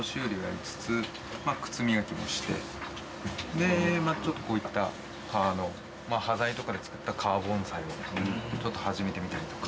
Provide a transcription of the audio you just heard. でちょっとこういった革の端材とかで作った革盆栽をちょっと始めてみたりとか。